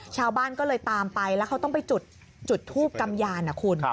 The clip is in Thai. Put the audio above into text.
ชาวบ้านก็เลยตามไปแล้วเขาต้องไปจุดทูบกำยานนะคุณ